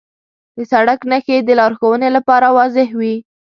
د سړک نښې د لارښوونې لپاره واضح وي.